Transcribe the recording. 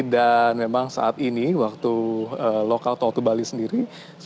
dan memang saat ini waktu lokal talk to bali sendiri